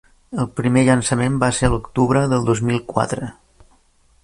El primer llançament va ser a l'octubre del dos mil-quatre